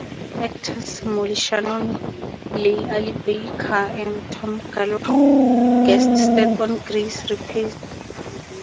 Actors Molly Shannon, Leigh-Allyn Baker, and Tom Gallop guest starred on "Grace, Replaced".